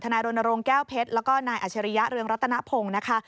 นายรณรงค์แก้วเพชรแล้วก็นายอัชริยะเรืองรัตนพงศ์นะคะ